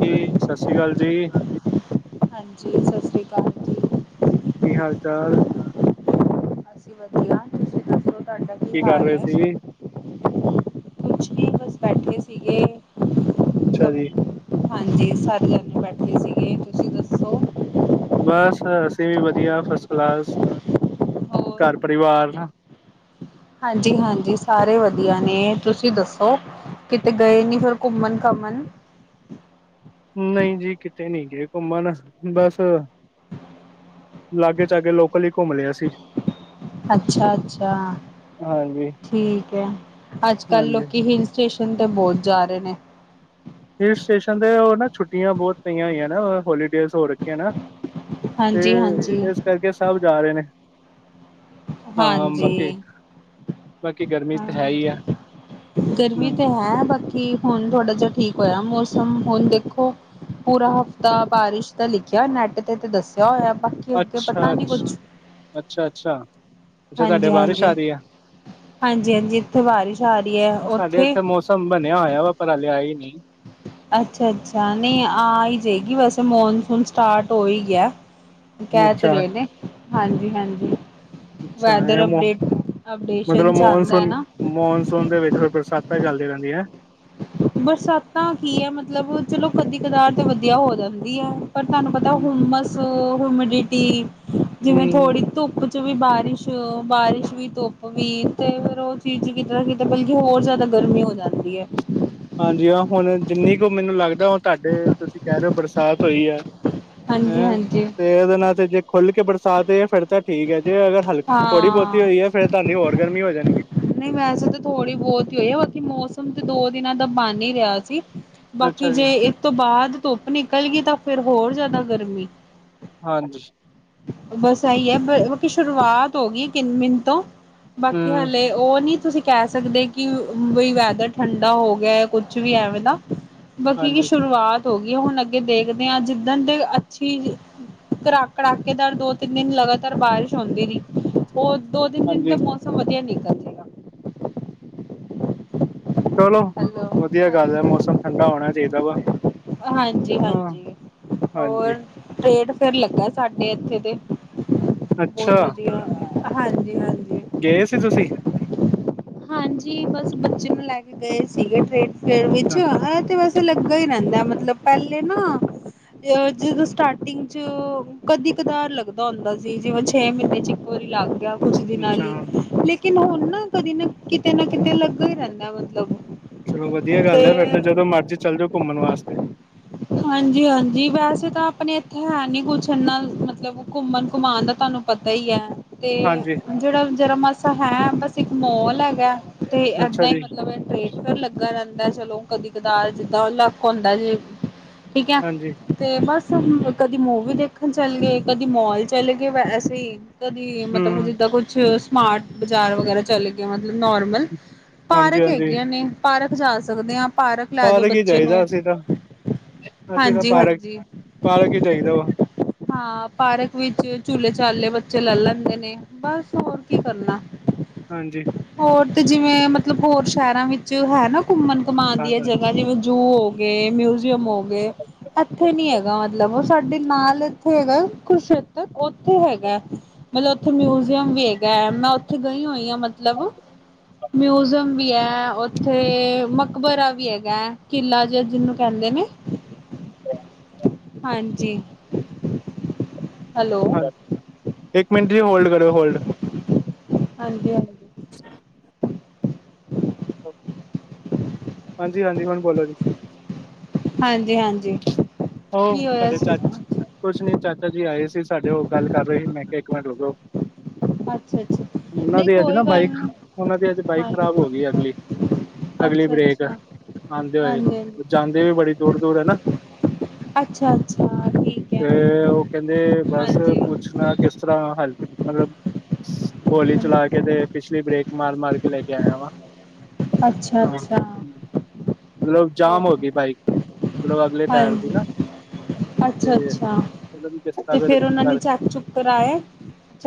ਕੀ ਸਤਿ ਸ਼੍ਰੀ ਅਕਾਲ ਜੀ। ਹਾਂਜੀ, ਸਤਿ ਸ਼੍ਰੀ ਅਕਾਲ। ਜੀ ਕੀ ਹਾਲ ਚਾਲ? ਵਧੀਆ ਤੁਸੀਂ ਦੱਸੋ ਤੁਹਾਡਾ ਕੀ ਕਰ ਹਾਲ ਰਹੇ ਹੈ? ਸੀ ਕੁਛ ਵੀ ਬਸ ਬੈਠੇ ਸੀਗੇ। ਅੱਛਾ ਜੀ। ਕਮ- ਹਾਂਜੀ ਸਾਰੇ ਜਾਣੇ ਬੈਠੇ ਸੀਗੇ ਤੁਸੀਂ ਦੱਸੋ ਬਸ ਅਸੀਂ ਵੀ ਵਧੀਆ ਫਸਟ ਕਲਾਸ ਹੋਰ ਘਰ ਪਰਿਵਾਰ ਹਾਂਜੀ ਹਾਂਜੀ ਸਾਰੇ ਵਧੀਆ ਨੇ ਤੁਸੀਂ ਦੱਸੋ ਕਿਤੇ ਗਏ ਨੀ ਫਿਰ ਘੁੰਮਣ ਘਾਮਣ ਨਹੀਂ ਜੀ ਕਿਤੇ ਨਹੀਂ ਗਏ ਘੁੰਮਣ ਬਸ ਲਾਗੇ ਚਾਗੇ ਲੋਕਲ ਹੀ ਘੁੰਮ ਲਿਆ ਸੀ ਅੱਛਾ ਅੱਛਾ ਹਾਂਜੀ ਠੀਕ ਹੈ ਅੱਜ ਕੱਲ ਹਾਂਜੀ ਲੋਕੀ ਹ ਸਟੇਸ਼ਨ ਤੇ ਬਹੁਤ ਜਾ ਰਹੇ ਨੇ। ਹਿਲ ਸਟੇਸ਼ਨ ਤੇ ਉਹ ਨਾ ਛੁੱਟੀਆਂ ਬਹੁਤ ਪਈਆਂ ਹੋਈਆਂ ਨਾ ਹੋਲੀਡੇਜ਼ ਹੋ ਰੱਖੀਆਂ ਨਾ। ਤੇ ਹਾਂਜੀ ਹਾਂਜੀ ਇਸ ਕਰਕੇ ਸਭ ਜਾ ਰਹੇ ਨੇ। ਹਾਂ ਬਾਕੀ ਬਾਕੀ ਗਰਮੀ ਹਾ, ਤਾਂ ਹੈ ਹੀ ਹੈ ਗਰਮੀ ਹਮ ਤੇ ਹੈ ਬਾਕੀ ਹੁਣ ਥੋੜਾ ਜਿਹਾ ਠੀਕ ਹੋਇਆ ਮੌਸਮ ਹੁਣ ਦੇਖੋ ਪੂਰਾ ਹਫ਼ਤਾ ਬਾਰਿਸ਼ ਦਾ ਲਿਖਿਆ ਨੈਟ ਤੇ ਤੇ ਦੱਸਿਆ ਹੋਇਆ ਬਾਕੀ ਅੱਗੇ ਅੱਛਾ ਪਤਾ ਨੀ ਅੱਛਾ ਕੁਛ ਅੱਛਾ, ਅੱਛਾ। ਅੱਛਾ ਤੁਹਾਡੇ ਹਾਂਜੀ, ਬਾਰਿਸ਼ ਹਾਂਜੀ, ਆ ਰਹੀ ਹੈ ਹਾਂਜੀ, ਹਾਂਜੀ ਇੱਥੇ ਬਾਰਿਸ਼ ਆ ਰਹੀ ਹੈ ਉੱਥੇ? ਮੋਸਮ ਬਣਿਆ ਹੋਇਆ ਵਾ ਪਰ ਹਜੇ ਆਈਂ ਨਹੀਂ। ਅੱਛਾ, ਅੱਛਾ ਨਹੀਂ ਆ ਹੀ ਜਾਏਗੀ ਵੈਸੇ ਮੌਨਸੂਨ ਸਟਾਰਟ ਹੋ ਹੀ ਗਿਆ। ਕਹਿ ਤੇ ਅੱਛਾ ਰਹੇ ਨੇ ਹਾਂਜੀ, ਹਾਂਜੀ। ਅੱਛਾ ਇਹ ਵੈਦਰ ਮੋ ਅਪਡੇਟ ਅਪਡੇਸ਼ਨ ਮਤਲਬ ਚੱਲਦਾ ਮੌਨਸੂਨ ਏਨਾ। ਮੌਨਸੂਨ ਦੇ ਵਿੱਚ ਬਰਸਾਤਾਂ ਚੱਲਦੀ ਰਹਿੰਦੀਆਂ। ਬਰਸਾਤਾਂ ਕੀ ਹੈ ਮਤਲਬ ਚਲੋ ਕਦੀ ਕਦਾਰ ਤੇ ਵਧੀਆ ਹੋ ਜਾਂਦੀ ਹੈ। ਪਰ ਤੁਹਾਨੂੰ ਪਤਾ ਹੂੰ ਹੁਮਸ ਹਿਊਮਿਡਿਟੀ ਜਿਵੇਂ ਹੂੰ ਥੋੜ੍ਹੀ ਧੁੱਪ ਚ ਵੀ ਬਾਰਿਸ਼, ਬਾਰਿਸ਼ ਵੀ ਧੁੱਪ ਵੀ ਤੇ ਫੇਿਰ ਉਹ ਚੀਜ਼ ਕਿੱਧਾ ਕਿ ਤੇ ਬਲਕਿ ਹੋਰ ਜ਼ਿਆਦਾ ਗਰਮੀ ਹੋ ਜਾਂਦੀ ਹੈ। ਹਾਂਜੀ ਹਾਂ ਹੁਣ ਜਿੰਨੀ ਕੁ ਮੈਨੂੰ ਲੱਗਦਾ ਉਹ ਤੁਹਾਡੇ ਤੁਸੀਂ ਕਹਿ ਰਹੇ ਹੋ ਬਰਸਾਤ ਹੋਈ ਹੈ। ਹਾਂਜੀ ਹੈਂ ਹਾਂਜੀ। ਤੇ ਉਹਦੇ ਨਾਲ ਤੇ ਜੇ ਖੁੱਲ ਕੇ ਬਰਸਾਤ ਫਿਰ ਤੇ ਠੀਕ ਹੈ ਜੇ ਅਗਰ ਹਲ ਥੋੜ੍ਹੀ ਬਹੁਤੀ ਹਾਂ ਹੋਈ ਹੈ ਫਿਰ ਤੁਹਾਨੂੰ ਹੋਰ ਗਰਮੀ ਹੋ ਜਾਣੀ। ਨਹੀਂ ਵੈਸੇ ਤਾਂ ਥੋੜ੍ਹੀ ਬਹੁਤ ਹੀ ਹੋਈ ਹੈ ਬਾਕੀ ਮੌਸਮ ਤੇ ਦੋ ਦਿਨਾਂ ਦਾ ਬਣ ਹੀ ਰਿਹਾ ਸੀ। ਬਾਕੀ ਅੱਛਾ ਜੀ ਜੇ ਇਸ ਤੋਂ ਬਾਅਦ ਧੁੱਪ ਨਿਕਲ ਗਈ ਤਾਂ ਫਿਰ ਹੋਰ ਜ਼ਿਆਦਾ ਗਰਮੀ ਹਾਂਜੀ। ਬਸ ਇਹੀ ਹੈ ਫਿਰ ਸ਼ੁਰੂਆਤ ਹੋ ਗਈ ਕਿਨ, ਮਿੰਨ ਤੋਂ ਬਾਕੀ ਹੂੰ ਹਾਲੇ ਉਹ ਨੀ ਤੁਸੀਂ ਕਹਿ ਸਕਦੇ ਕਿ ਬਈ ਵੈਦਰ ਠੰਡਾ ਹੋ ਗਿਆ ਕੁਛ ਵੀ ਐਵੇਂ ਦਾ ਬਾਕੀ ਕਿ ਹਾਂਜੀ ਸ਼ੁਰੂਆਤ ਹੋ ਗਈ ਹੁਣ ਅੱਗੇ ਦੇਖਦੇ ਹਾਂ ਜਿੱਦਣ ਦੇ ਅੱਛੀ ਕਰਾ ਕੜਾਕੇਦਾਰ ਦੋ ਤਿੰਨ ਦਿਨ ਲਗਾਤਾਰ ਬਾਰਿਸ਼ ਹੁੰਦੀ ਰਹੀ ਉਹ ਦੋ ਤਿੰਨ ਦਿਨ ਦੇ ਹਾਂਜੀ ਮੌਸਮ ਵਧਿਆ ਨਿਕਲ ਜਾਏ ਚਲੋ ਹੈਲੋ ਵਧੀਆ ਗੱਲ ਹਾਂਜੀ ਹੈ ਮੌਸਮ ਠੰਡਾ ਹੋਣਾ ਚਾਹੀਦਾ ਵਾ ਹਾਂਜੀ ਹਾਂ ਹਾਂਜੀ ਹੋਰ ਹਾਂਜੀ ਰੇਟ ਫਿਰ ਲੱਗਾ ਸਾਡੇ ਇੱਥੇ ਤੇ ਬਹੁਤ ਅੱਛਾ ਵਧੀਆ ਹਾਂਜੀ, ਹਾਂਜੀ। ਗਏ ਸੀ ਤੁਸੀਂ। ਹਾਂਜੀ ਬਸ ਬੱਚੇ ਨੂੰ ਲੈ ਕੇ ਗਏ ਸੀਗੇ ਟ੍ਰੇਨ ਪੇੜ ਵਿੱਚ ਅੱਛਾ, ਆਹ ਤੇ ਵੈਸੇ ਲੱਗਾ ਹੀ ਰਹਿੰਦਾ ਮਤਲਬ ਪਹਿਲੇ ਨਾ ਅ ਜਦੋਂ ਸਟਾਰਟਿੰਗ ਚ ਕਦੀ ਕਧਾਰ ਲੱਗਦਾ ਹੁੰਦਾ ਸੀ ਜਿਵੇਂ ਛੇ ਮਹੀਨੇ ਚ ਕੋ ਲੱਗ ਗਿਆ ਕੁਝ ਦਿਨਾਂ ਅੱਛਾ ਹੀ ਲੇਕਿਨ ਹੁਣ ਨਾ ਕਦੇ ਨਾ ਕਿਤੇ ਨਾ ਕਿਤੇ ਲੱਗਾ ਹੀ ਰਹਿੰਦਾ ਮਤਲਬ ਚਲੋ ਵਧੀਆ ਗੱਲ ਹੈ ਫ਼ਿਰ ਤੇ ਜਦੋਂ ਮਰਜ਼ੀ ਚੱਲ ਜਾਓ ਘੁੰਮਣ ਵਾਸਤੇ ਹਾਂਜੀ ਹਾਂਜੀ ਵੈਸੇ ਤਾਂ ਆਪਣੇ ਇੱਥੇ ਹੈ ਨੀ ਕੁਛ ਇਨਾ ਮਤਲਬ ਘੁੰਮਣ ਘਮਾਉਣ ਦਾ ਤੁਹਾਨੂੰ ਪਤਾ ਹੀ ਹੈ ਤੇ ਹਾਂਜੀ, ਜਿਹੜਾ ਜਰਾ ਮਾਸਾ ਹੈ ਬਸ ਇੱਕ ਮੋਲ ਹੈਗਾ ਤੇ ਅੱਛਾ ਇੱਦਾਂ ਹੀ ਜੀ, ਮਤਲਬ ਹੈ ਟਰੇੇਨ ਫਿਰ ਲੱਗਾ ਰਹਿੰਦਾ ਚਲੋ ਕਦੀ ਕਦਾਰ ਜਿੱਦਾਂ ਲੱਕ ਹੁੰਦਾ ਜੇ ਠੀਕ ਹੈ। ਹਾਂਜੀ, ਤੇ ਬਸ ਕਦੀ ਮੂਵੀ ਦੇਖਣ ਚੱਲ ਗਏ ਕਦੀ ਮੋਲ ਚਲੇ ਗਏ ਵੈਸੇ ਹੀ ਕਦੀ ਮਤਲਬ ਹੂੰ, ਜਿੱਦਾਂ ਕੁਛ ਸਮਾਰਟ ਬਾਜ਼ਾਰ ਵਗੈਰਾ ਚਲੇ ਗਏ ਮਤਲਬ ਨੋਰਮਲ ਪਾਰਕ ਹਾਂਜੀ-ਹਾਂਜੀ ਹੈਗੀਆਂ ਨੇ ਪਾਰਕ ਜਾ ਸਕਦੇ ਹਾਂ ਪਾਰਕ ਲੈ ਜਾਓ ਹੀ ਬੱਚੇ ਜਾਈਦਾ ਨੂੰ ਅਸੀਂ ਤਾਂ, ਅਸੀਂ ਤਾਂ ਹਾਂਜੀ ਪਾਰਕ, ਹਾਂਜੀ ਪਾਰਕ ਹੀ ਜਾਈਦਾ ਵਾ ਹਾਂ ਪਾਰਕ ਵਿੱਚ ਝੂਲੇ ਚਾਲੇ ਬੱਚੇ ਲੈ ਲੈਂਦੇ ਨੇ ਬਸ ਹੋਰ ਕੀ ਕਰਨਾ ਹਾਂਜੀ, ਹੋਰ ਤੇ ਜਿਵੇਂ ਮਤਲਬ ਹੋਰ ਸ਼ਹਿਰਾਂ ਵਿੱਚ ਹੈ ਨਾ ਘੁੰਮਣ ਕਮਾਉਣ ਦੀਆਂ ਜਗ੍ਹਾ ਜਿਵੇਂ ਜੂ ਗਏ ਮਿਊਜ਼ੀਅਮ ਹੋ ਗਏ ਇੱਥੇ ਨੀ ਹੈਗਾ ਮਤਲਬ ਉਹ ਸਾਡੇ ਨਾਲ ਇੱਥੇ ਹੈਗਾ ਕ ਕੁਰੂਕਸ਼ੇਤਰ ਉੱਥੇ ਹੈਗਾ। ਮਤਲਬ ਉੱਥੇ ਮਿਊਜ਼ੀਅਮ ਵੀ ਹੈਗਾ ਹੈ ਮੈਂ ਉੱਥੇ ਗਈ ਹੋਈ ਆ ਮਤਲਬ। [inaudible] ਮਿਊਜ਼ੀਅਮ ਵੀ ਹੈ ਉੱਥੇ ਮਕਬਰਾ ਵੀ ਹੈਗਾ ਕਿਲਾ ਜਿੰ ਕਹਿੰਦੇ ਨੇ ਹਾਂਜੀ ਹੈਲੋ। ਹਾਂ ਇੱਕ ਮਿੰਟ ਜ ਹੋਲਡ ਕਰੋ। ਹਾਂਜੀ, ਹਾਂਜੀ। ਅੱਛਾ। ਹਾਂਜੀ, ਹਾਂਜੀ ਹੁਣ ਬੋਲੋ ਜੀ। ਹਾਂਜੀ, ਹਾਂਜੀ। ਉਹ ਕੀ ਹੋਇਆ ਸਾਡੇ ਸੀਗਾ ਚਾਚ ਕੁਛ ਨੀ ਚਾਚਾ ਜੀ ਆਏ ਸੀ ਸਾਡੇ ਉਹ ਗੱਲ ਕਰ ਰਹੇ ਸੀ ਮੈਂ ਕਿਹਾ ਇੱਕ ਮਿੰਟ ਰੁਕੋ। ਅੱਛਾ। ਅੱਛਾ ਉਹਨਾਂ ਨਹੀਂ ਦੀ ਅੱਜ ਕੋਈ ਨਾ ਗੱਲ ਬਾਈਕ ਨੀ ਉਹਨਾਂ ਦੀ ਅੱਜ ਬਾਈਕ ਹਾਂਜੀ ਖਰਾਬ ਹੋ ਗਈ ਅਗਲੀ ਅਗਲੀ ਅੱਛਾ ਬਰੇੇਕ ਅੱਛਾ ਆਉਂਦੇ ਹਾਂਜੀ ਹੋਏ ਹਾਂਜੀ ਜਾਂਦੇ ਵੀ ਬੜੀ ਦੂਰ ਦੂਰ ਹਨਾ। ਅੱਛਾ, ਅੱਛਾ। ਠੀਕ ਹੈ ਤੇ ਉਹ ਕਹਿੰਦੇ ਬਸ ਹਾਂਜੀ ਪੁੱਛਣਾ ਕਿਸ ਤਰ੍ਹਾਂ ਹੱਲ ਮਤਲਬ ਹੋਲੀ ਚਲਾ ਕੇ ਤੇ ਪਿਛਲੀ ਬਰੇੇਕ ਮਾਰ ਮਾਰ ਕੇ ਲੈ ਕੇ ਆਇਆ ਵਾ ਅੱਛਾ ਹਾਂ ਅੱਛਾ ਮਤਲਬ ਜਾਮ ਹੋ ਗਈ ਓਕੇ ਬਾਈਕ ਮਤਲਬ ਅਗਲੇ ਟਾਇਰ ਦੀ ਹਾਂਜੀ ਨਾ ਅੱਛਾ ਤੇ ਅੱਛਾ ਉਹਨਾਂ ਦੀ ਕਿਸਤਾ ਤੇ ਵੇ ਫੇਰ ਰੀ ਉਹਨਾਂ ਨੇ ਕਰ ਚੈੱਕ ਚੁੱਕ ਕਰਾਇਆ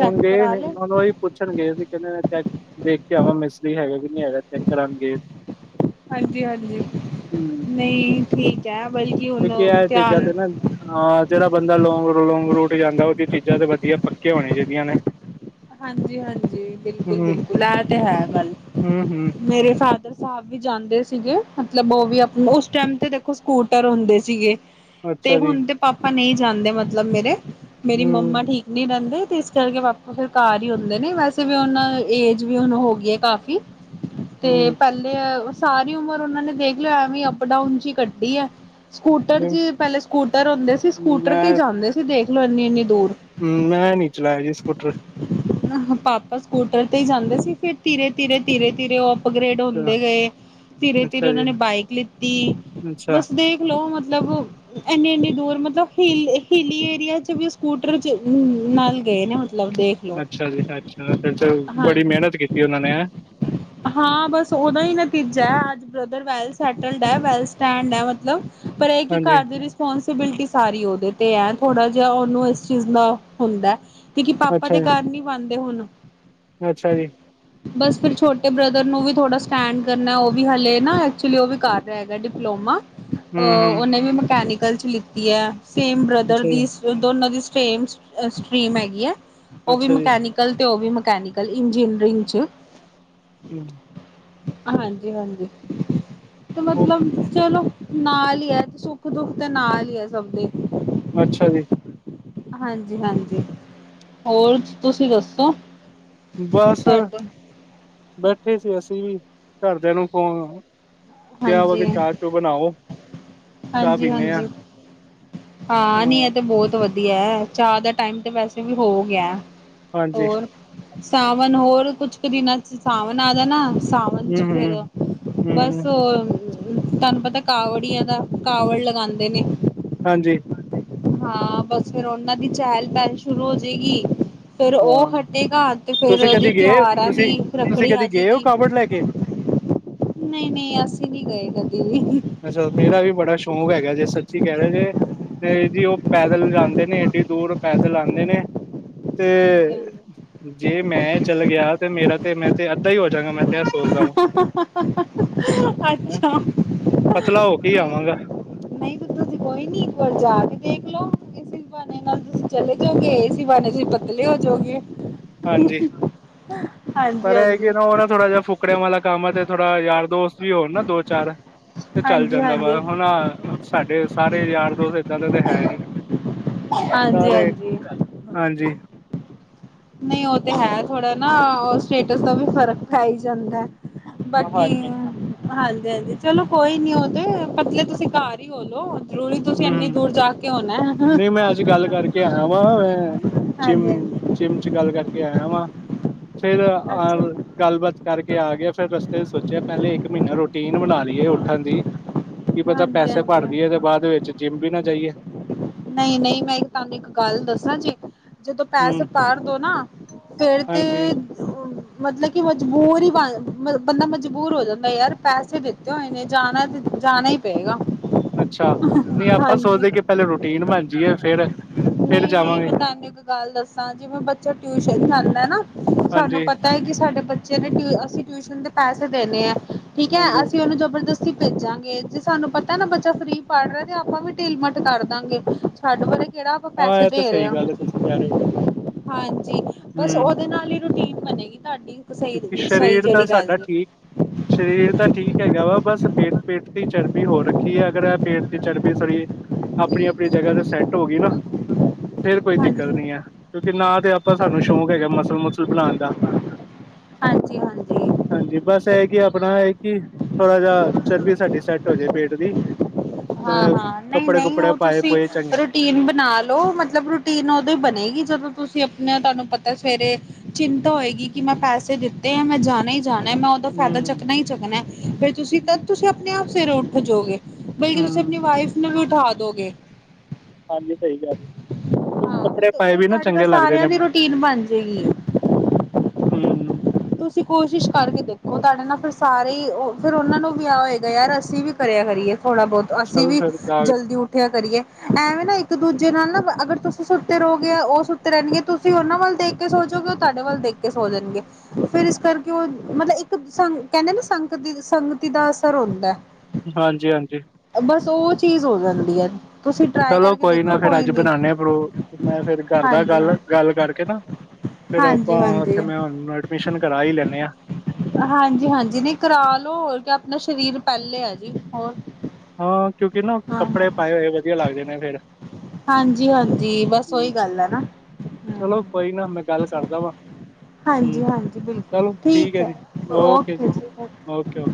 ਹੁਣ ਗਏ ਕਰਾ ਨੇ ਲਏ ਏ ਨ [inaudible] ਈ ਪੁੱਛਣ ਗਏ ਸੀ ਕਹਿੰਦੇ ਚੈੱਕ ਦੇਖ ਕੇ ਆਵਾਂ ਮਿਸਤਰੀ ਹੈਗਾ ਕਿ ਨਹੀਂ ਹੈਗਾ ਚੈੱਕ ਕਰਨਗੇ। ਹਾਂਜੀ, ਹਾਂਜੀ ਨਹੀਂ ਠੀਕ ਹੈ ਬਲਕਿ ਹੁਣ ਕਿਉਂਕਿ ਇਹ ਚੀਜ਼ਾਂ ਧਿਆਨ। ਤੇ ਨਾ ਹਾਂ ਜਿਹੜਾ ਬੰਦਾ ਲੋਂਗ ਲੋਂਂਗ ਰੂਟ ਜਾਂਦਾ ਉਹਦੀ ਚੀਜ਼ਾਂ ਤੇ ਵਧੀਆ ਪੱਕੇ ਹੋਣੇ ਚਾਹੀਦੀਆਂ ਨੇ। ਹਾਂਜੀ ਹਾਂਜੀ ਬਿਲਕੁਲ ਹੂੰ ਬਿਲਕੁਲ ਇਹ ਤੇ ਹੈ ਗੱਲ ਹੂੰ ਹੂੰ ਮੇਰੇ ਫਾਦਰ ਸਾਹਿਬ ਵੀ ਜਾਂਦੇ ਸੀਗੇ ਮਤਲਬ ਉਹ ਵੀ ਉਸ ਟਾਈਮ ਤੇ ਦੇਖੋ ਸਕੂਟਰ ਹੁੰਦੇ ਸੀਗੇ। ਤੇ ਅੱਛਾ ਜੀ, ਹੁਣ ਤੇ ਪਾਪਾ ਨਹੀਂ ਜਾਣਦੇ ਮਤਲਬ ਮੇਰੇ ਮੇਰੀ ਮੰਮਾ ਹੂੰ, ਠੀਕ ਨਹੀਂ ਰਹਿੰਦੇ ਤੇ ਇਸ ਕਰ ਕੇ ਪਾਪਾ ਫਿਰ ਘਰ ਹੀ ਹੁੰਦੇ ਨੇ ਵੈਸੇ ਵੀ ਉਹਨਾਂ ਏਜ ਵੀ ਹੁਣ ਹੋ ਗਈ ਹੈ ਕਾਫ਼ੀ ਤੇ ਹੂੰ, ਪੈਲੇ ਸਾਰੀ ਉਮਰ ਉਹਨਾਂ ਨੇ ਦੇਖ ਲਿਆ, ਐਵੇਂ ਅਪ ਡਾਊਨ ਚ ਹੀ ਕੱਢੀ ਐ। ਸਕੂਟਰ ਨਹੀਂ, ਸੀ, ਪਹਿਲੇ ਸਕੂਟਰ ਹੁੰਦੇ ਸੀ ਸਕੂਟਰ ਤੇ ਜਾਂਦੇ ਸੀ ਦੇਖਲੋ ਇੰਨੀ-ਇੰਨੀ ਦੂਰ। ਹਮ ਮੈਂ ਨੀ ਚਲਾਇਆ ਜੀ ਸਕੂਟਰ। ਪਾਪਾ ਸਕੂਟਰ ਤੇ ਜਾਂਦੇ ਸੀ ਫਿਰ ਧੀਰੇ, ਧੀਰੇ, ਧੀਰੇ, ਧੀਰੇ ਉਹ ਅਪਗ੍ਰੇਡ ਅੱਛਾ ਹੁੰਦੇ ਗਏ ਧੀਰੇ ਧੀਰੇ ਅੱਛਾ ਉਹਨਾਂ ਜੀ, ਨੇ ਬਾਈਕ ਲਿੱਤੀ ਅੱਛਾ, ਬਸ ਦੇਖ ਖਲੋ ਮਤਲਬ ਇੰਨੇ ਇਨੀ ਦੂਰ ਮਤਲਬ ਹ ਹਿਲੀ ਏਰੀਆ ਚ ਵੀ ਸਕੂਟਰ ਚ ਨਾਲ ਗਏ ਨੇ ਮਤਲਬ ਦੇ ਅੱਛਾ ਜੀ ਅੱਛਾ ਫਿਰ ਬੜੀ ਮਿਹਨਤ ਕੀਤੀ ਉਹਨਾਂ ਨੇ ਹੈ। ਹਾਂ ਬਸ ਉਦਾ ਹੀ ਨਤੀਜਾ ਹੈ ਅੱਜ ਬ੍ਰਦਰ ਵੈਲ ਸੈਟਲਡ ਹੈ ਵੈਲ ਸਟੈਂਡ ਹੈ ਮਤਲਬ ਪਰ ਇਹ ਕਿ ਹਾਂਜੀ, ਘਰ ਦੇ ਵਿੱਚ ਰਿਸਪੋਂਸੀਬਿਲਟੀ ਸਾਰੀ ਉਹਦੇ 'ਤੇ ਐ, ਥੋੜ੍ਹਾ ਜਿਹਾ ਉਹਨੂੰ ਇਸ ਚੀਜ਼ ਦਾ ਹੁੰਦੈ। ਕਿਉਂਕਿ ਆਪਾਂ ਤੇ ਅੱਛਾ ਜੀ, ਕਾਰ ਨੀ ਪਾਂਦੇ ਹੁਨ। ਅੱਛਾ ਜੀ। ਬਸ ਫਿਰ ਛੋਟੇ ਬ੍ਰਦਰ ਨੂੰ ਵੀ ਥੋੜਾ ਸਟੈਂਡ ਕਰਨੈ, ਉਹ ਵੀ ਹਲੇ ਨਾ, ਐਕਚੁਲੀ ਉਹ ਵੀ ਕਰ ਰਿਹਾ ਹੈਗਾ ਡਿਪਲੋਮਾ। ਅਹ ਹੂੰ, ਹੂੰ, ਉਹਨੇ ਵੀ ਮਕੈਨੀਕਲ ਚ ਲਿੱਤੀ ਐ, ਸੇਮ ਬ੍ਰਦਰ ਅੱਛਾ ਦੀ ਜੀ, ਦੋਨਾ ਦੀ ਸੇਮ ਸਟਰੀਮ ਹੈਗੀ ਐ, ਓਵੀ ਅੱਛਾ ਜੀ, ਮਕੈਨਿਕ ਤੇ ਉਹ ਵੀ ਮਕੈਨੀਕਲ ਇੰਜੀਨੀਅਰਿੰਗ ਚ ਹਮ [inaudible] ਹਾਂਜੀ, ਹਾਂਜੀ, ਤੇ ਉਹ ਮਤਲਬ ਚਲੋ ਨਾਲ ਈ ਐ ਸੁੱਖ-ਦੁੱਖ ਤੇ ਨਾਲ ਈ ਐ, ਸਭ ਦੇ ਅੱਛਾ ਜੀ। ਹਾਂਜੀ, ਹਾਂਜੀ, ਹੋਰ ਤੁਸੀਂ ਦੱਸੋ? ਬਸ, ਤੁਹਾਡੇ ਬੈਠੇ ਸੀ ਅਸੀਂ ਵੀ, ਘਰਦਿਆਂ ਨੂੰ ਫੋਨ ਕਿਆ ਵਾ ਕੇ ਹਾਂਜੀ ਚਾਹ ਚੁ ਬਨਾਓ, ਚਾਹ ਹਾਂਜੀ ਪਿੰਨੇ ਆਂ। ਹਾਂਜੀ ਹਾਂ, ਨੀ ਇਹ ਤੇ ਬਹੁਤ ਵਧੀਆ ਐ, ਚਾਹ ਦਾ ਟਾਈਮ ਤੇ ਵੈਸੇ ਵੀ ਹੋ ਗਿਐ। ਹਾਂਜੀ, ਹੋਰ, ਸਾਵਨ ਹੋਰ ਕੁਛ ਕੁ ਦਿਨਾਂ ਚ ਸਾਵਨ ਆ ਜਾਨਾ। ਸਾਵ ਹੂੰ, ਹਾਂਜੀ, ਫੇਰ ਹੂੰ, ਬਸ ਹੂੰ, ਉਹਰ ਤਾਂਨੁ ਪਤਾ, ਕਾਵੜੀਆਂ ਦਾ ਕਾਵੜ ਲਗਾਂਦੇ ਨੇ। ਹਾਂਜੀ। ਹਾਂ, ਬਸ ਫੇਰ ਓਨਾਂ ਦੀ ਚਹਿਲ ਪਹਿਲ ਸ਼ੁਰੂ ਹੋਜੇਗੀ। ਫੇਰ ਓ ਹਾਂ ਹਟੇਗਾ, ਤੇ ਫੇਰ ਤੁਸੀਂ ਉਹਦੀ ਕਦੀ ਗਏ ਤਿਉਹਾਰ ਆ ਤੁਸੀਂ ਦੀ ਤੁਸੀਂ ਰੱਖੜੀ ਕਦੀ ਗਏ ਹੋ ਆਜੇਗੀ। ਕਾਵੜ ਲੈ ਕੇ ਨਈੰ, ਨਈੰ, ਅਸੀਂ ਨੀ ਗਏ ਕਦੇ ਵੀ। ਅੱਛਾ ਮੇਰਾ ਵੀ ਬੜਾ ਸ਼ੌਕ ਹੈਗਾ ਜੇ, ਸੱਚੀ ਕਹਿ ਰਿਆ ਜੇ। ਤੇ ਜੀ, ਉਹ ਪੈਦਲ ਜਾਂਦੇ ਨੇ ਐਡੀ ਦੂਰ, ਪੈਦਲ ਆਂਦੇ ਨੇ। ਤੇ ਹਾਂਜੀ ਹਾਂਜੀ ਜੇ ਮੈਂ ਚੱਲ ਗਿਆ, ਤੇ ਮੇਰਾ ਤੇ ਮੈਂ ਤੇ, ਅੱਧਾ ਹੀ ਹੋ ਜਾਂਗਾਂ, ਮੈਂ ਤੇ ਸੋਚ ਹੈਂ ਅੱਛਾ [inaudible] ਪਤਲਾ ਹੋ ਕੇ ਹੀ ਨਹੀਂ ਆਵਾਂਗਾ। ਤੇ ਨਹੀਂ ਤੇ ਤੁਸੀ ਕੋਈ ਨੀ, ਇੱਕ ਵਾਰ ਜਾ ਕੇ ਦੇਖਲੋ। ਇਸ ਬਹਾਨੇ ਨਾਲ ਤੁਸੀਂ ਚਲੇ ਜਾਓਗੇ, ਇਸੀ ਬਹਾਨੇ ਤੁਸੀਂ ਪਤਲੇ ਹੋ ਜੋਗੇ। ਹਾਂਜੀ, ਪਰ ਇਹ ਹਾਂਜੀ ਕਿ ਨਾ ਉਹ ਨਾ ਥੋੜਾ ਜਿਹਾ, ਫੁਕ ਟੁਕੜਿਆਂ ਵਾਲਾ ਕੰਮ ਆ ਤੇ ਥੋੜਾ ਯਾਰ ਦੋਸਤ ਵੀ ਹੋਨ ਨਾ, ਦੋ ਚਾਰ। ਤੇ ਚੱਲ ਹਾਂਜੀ ਜਾਂਦਾ ਹਾਂਜੀ ਵਾ, ਹੁਣ ਸਾਡੇ ਸਾਰੇ ਯਾਰ ਦੋਸਤ ਇਦਾਂ ਦਾ ਤਾਂ ਹੈ ਨੀ, ਹਾਂਜੀ ਸਾਰੇ ਹਾਂਜੀ ਹਾਂਜੀ। ਨਹੀਂ ਉਹ ਤੇ ਹੈ ਥੋੜਾ ਨਾ, ਉਹ ਸਟੇਟਸ ਦਾ ਵੀ ਫ਼ਰਕ ਪੈ ਹੀ ਜਾਂਦਾ ਐ। ਬਾਕੀ ਹਾਂਜੀ ਹਾਂਜੀ ਹਾਂਜੀ ਚਲੋ ਕੋਈ ਨੀ ਓਤੇ, ਪਤਲੇ ਤੁਸੀਂ ਘਾਰ ਈ ਹੋਲੋ। ਹਮ, ਨਹੀਂ ਮੈਂ ਅੱਜ ਗੱਲ ਕਰਕੇ ਆਈਆ ਵਾਂ, ਮੈਂ ਜਿਮ ਹਾਂਜੀ ਜਿੰਮ 'ਚ ਗੱਲ ਕਰਕੇ ਆਇਆ ਵਾਂ, ਫਿਰ ਆ ਅੱਛਾ ਗੱਲਬਾਤ ਕਰਕੇ ਆ ਗਿਆ। ਫੇਰ ਰਸਤੇ 'ਚ ਸੋਚਿਆ, ਕਿ ਪਹਿਲੇ ਇੱਕ ਮਹੀਨਾ ਰੂਟੀਨ ਬਣਾ ਲਈਏ ਉੱਠਣ ਦੀ। ਕੀ ਪਤਾ, ਹਾਂਜੀ ਪੈਸੇ ਭਰ ਹਾਂਜੀ ਦੇਈਏ ਤੇ ਬਾਅਦ ਵਿੱਚ ਜਿੰਮ ਵੀ ਨਾ ਜਾਈਏ। ਨਹੀਂ-ਨਹੀਂ, ਮੈਂ ਤੁਹਾਨੂੰ ਇੱਕ ਗੱਲ ਦੱਸਾਂ ਜੀ। ਜਦੋਂ ਪੈਸੇ ਹੂੰ ਪਰ ਦੋ ਨਾ, ਫੇਰ ਤੇ [inaudible] ਮਤਲਬ ਕਿ ਮਜਬੂਰ ਹੀ ਬਣ ਬੰਦਾ ਮਜਬੂਰ ਹੋ ਜਾਂਦਾ ਯਾਰ, ਪੈਸੇ ਦਿੱਤੇ ਹੋਏ ਨੇ, ਜਾਨਾ ਤੇ ਜਾਨਾ ਹੀ। ਪਏਗਾ, ਅੱਛਾ ਨਹੀਂ ਆਪਾਂ ਹਾਂਜੀ। ਸੋਚਦੇ ਕਿ ਪਹਿਲੇ ਰੂਟੀਨ ਬਣ ਜੀਏ, ਫੇਰ। ਨਹੀਂ ਨਹੀਂ ਮੈਂ ਤਾਂਨੂੰ ਇੱਕ ਗੱਲ ਦੱਸਾਂ, ਜਿਵੇਂ ਬੱਚਾ ਟਿਊਸ਼ਨ ਖਦਾ ਨਾ, ਸਾਨੂੰ ਹਾਂਜੀ ਪਤਾ ਹੈ ਕਿ ਸਾਡੇ ਬੱਚੇ ਨੇ, ਅਸੀਂ ਟਿਊਸ਼ਨ ਦੇ ਪੈਸੇ ਦੇਨੇ ਐ, ਠੀਕ ਐ, ਹਾਂਜੀ ਅਸੀਂ ਉਹਨੂੰ ਜ਼ਬਰਦਸਤ ਅਸੀਂ ਭੇਜਾਂਗੇ, ਜੇ ਸਾਨੂੰ ਪਤਾ ਨਾ ਕਿ ਬੱਚਾ ਫਰੀ ਪੜ੍ਹ ਰਿਹਾ, ਤੇ ਆਪਾਂ ਵੀ ਢਿੱਲ ਮੱਠ ਕਰ ਦਾਂਗੇ, ਛੱਡ ਪਰੇ। ਕਿਹੜਾ ਆਪਾਂ ਹਾਂ ਪੈਸੇ ਇਹ ਤਾਂ ਦੇ ਰਏ ਸਹੀ ਆਂ? ਗੱਲ ਹੈ ਤੁਸੀਂ ਕਹਿ ਰਹੇ ਹਾਂਜੀ, ਬਸ ਹੂੰ ਉਹਦੇ ਨਾਲ ਹੀ ਰੂਟੀਨ ਬਨੇਗੀ ਤਾਡੀ ਕਿਉਂਕਿ ਸਹੀ ਸਰੀਰ ਤਾਂ ਜਿਹੜੀ ਗੱਲ ਸਾਡਾ ਏ। [inaudible] ਸਰੀਰ ਤਾਂ ਠੀਕ ਹੈਗਾ ਵਾ। ਬਸ ਪੇਟ-ਪੇਟ ਦੀ ਚਰਬੀ ਹੋ ਰੱਖੀ ਐ। ਅਗਰ ਪੇਟ ਦੀ ਚਰਬੀ ਸਰੀਰ ਆਪਣੀ- ਆਪਣੀ ਜਗ੍ਹਾ ਤੇ ਸੈੱਟ ਹੋ ਗਈ ਨਾ। ਫੇਰ ਕੋਈ ਦਿੱਕਤ ਹਾਂਜੀ ਨੀ ਐ। ਕਿਉਂਕਿ ਨਾ ਤੇ, ਆਪਾ ਸਾਨੂੰ ਸੋ਼ਕ ਹੈਗਾ। ਮਸਲ-ਮਸਲ ਬਣਾਉਣ ਦਾ। ਹਾਂਜੀ ਹਾਂਜੀ ਹਾਂਜੀ, ਬਸ ਇਹੀ ਕਿ ਆਪਣੀ ਆਈਕੀ, ਥੋੜਾ ਜਿਹਾ ਚਰਬੀ ਸਾਡੀ ਸੈਟ ਹੋ ਜਾਏਂ ਪੇਂਟ ਦੀ। ਅ ਹਾਂ-ਹਾਂ, ਨਹੀਂ ਕੱਪੜੇ -ਨਹੀਂ, ਕੁਪੜੇ ਉਹ ਪਾਏ ਤੁਸੀਂ ਪਏ ਚੰਗੇ ਰੂਟ ਰੂਟੀਨ ਬਣਾ ਲਓ। ਮਤਲਬ ਰੂਟੀਨ ਉਦੋਂ ਹੀ ਬਣੇਗੀ। ਜਦੋਂ ਤੁਸੀਂ ਆਪਣੇ ਤੁਹਾਨੂੰ ਪਤਾ ਐ। ਸਵੇਰੇ ਚਿੰਤਾ ਹੋਏਗੀ। ਕਿ ਮੈਂ ਪੈਸੇ ਦਿੱਤੇ ਐ, ਮੈਂ ਜਾਣਾ ਹੀ ਜਾਣਾ ਮੋ ਦਾ ਫਾਇਦਾ ਹਮ ਚੱਕਣਾ ਹੀ ਚੱਕਣਾ। ਫਿਰ ਤੁਸੀਂ, ਤਦ ਤੁਸੀਂ ਆਪਣੇ ਆਪ ਸਵੇਰੇ ਉੱਠ ਜਾਓਗੇ। ਬਲਕਿ, ਤੁਸੀਂ ਹਮ ਆਪਣੀ ਵਾਈਫ ਨੂੰ ਵੀ ਉਠਾ ਦਿਓਗੇ। ਹਾਂਜੀ, ਸਹੀ ਕਿਹਾ ਰਿਹ ਹੋ। ਹਾਂ ਕੱਪੜੇ ਫਿਰ ਪਾਏ ਫਿਰ ਵੀ ਨਾ ਤੁਹਾਡੇ ਤਾਂ ਚੰਗੇ ਲੱਗਦੇ ਸਾਰਿਆਂ ਨੇ। ਦੀ ਰੂਟੀਨ ਬਣ ਜਾਏਗੀ ਹੂੰ ਤੁਸੀਂ ਕੋਸ਼ਿਸ਼ ਕਰਕੇ ਦੇਖੋ। ਤੁਹਾਡੇ ਨਾਲ ਫਿਰ ਸਾਰੇ ਹੀ ਉਹ, ਫਿਰ ਉਹਨਾਂ ਨੂੰ ਵੀ ਆਹ ਹੋਏਗਾ, ਯਾਰ, ਅਸੀਂ ਵੀ ਕਰਿਆ ਕਰੀਏ। ਥੋਣਾ ਬਹੁਤ, ਅਸੀਂ ਚਲੋ ਵੀ ਫਿਰ ਦਾਲ, ਜਲਦੀ ਉੱਠ ਇਕੱਠਿਆਂ ਕਰੀਏ, ਐਵੇਂ ਨਾ। ਇੱਕ ਦੂਜੇ ਨਾਲ ਨਾ। ਅਗਰ ਤੁਸੀਂ ਸੁੱਤੇ ਰਹੋਗੇ ਗਏ, ਉਹ ਸੁੱਤੇ ਰਹਿੰਣ ਗੇ। ਤੁਸੀਂ ਉਹਨਾਂ ਵੱਲ ਦੇਖ ਕੇ ਸੋ ਜਾਓਗੇ, ਉਹ ਤੁਹਾਡੇ ਵੱਲ ਦੇਖ ਕੇ ਸੋ ਜਾਣਗੇ। ਫੇਰ ਇਸ ਕਰਕੇ ਉਹ, ਮਤਲਬ ਇੱਕ ਸੰਗ ਕਹਿੰਦੇ ਨਾ। ਸੰਗ-ਸੰਗਤੀ ਦਾ ਅਸਰ ਹੁੰਦਾ ਐ। ਹਾਂਜੀ- ਹਾਂਜੀ। ਬਸ ਉਹ ਚੀਜ਼ ਹੋ ਜਾਂਦੀ ਐ। ਚਲੋ ਕੋਈ ਨਾ ਫੇਰ। ਅੱਜ ਬਣਾਏ ਪ੍ਰ। ਮੈਂ ਫੇਰ ਕਰਦਾ ਹਾਂਜੀ ਹਾਂ ਗੱਲ, ਗੱਲ ਕਰਕੇ ਨਾ ਫੇਰ ਹਾਂਜੀ ਆਪਾਂ, ਹਾਂਜੀ ਉੱਥੇ ਮੈਂ ਐਡਮਿਸ਼ਨ ਕਰਾ ਹੀ ਲੈਂਦੇ ਆ। ਹਾਂਜੀ ਹਾਂਜੀ, ਨਹੀਂ ਕਰਾ ਲਓ। ਹੋਰ ਕੀ, ਆਪਣਾ ਸਰੀਰ ਪਹਿਲੇ ਹੈ ਜੀ। ਹੋਰ ਹਾਂ, ਕਿਉਂਕਿ ਨਾ, ਹਾਂ ਕੱਪੜੇ ਪਾਏ ਹੋਏ ਵਧੀਆ ਲੱਗਦੇ ਨੇ ਫੇਰ। ਹਾਂਜੀ-ਹਾਂਜੀ, ਬਸ ਓਹੀ ਗੱਲ ਹੈ ਨਾ। ਚਲੋ ਹਮ। ਕੋਈ ਨਾ, ਮੈਂ ਗੱਲ ਕਰਦਾ ਵਾਂ। ਹੂੰ ਚਲੋ, ਠੀਕ ਹੈ ਜੀ। ਓਕੇ ਜੀ, ਓਕੇ